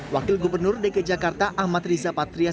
wakil gubernur deket jakarta ahmad riza patrias